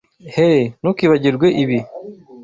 Hey, ntukibagirwe ibi.